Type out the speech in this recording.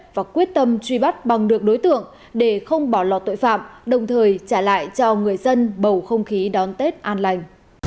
và quyết tâm truy bắt bằng được đối tượng để không bỏ lọt tội phạm đồng thời trả lại cho người dân bầu không khí đón tết an lành